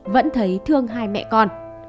vẫn thấy thương hai mẹ con